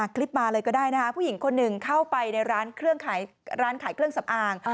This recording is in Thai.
คลิปมาเลยก็ได้นะคะผู้หญิงคนหนึ่งเข้าไปในร้านขายเครื่องสำอาง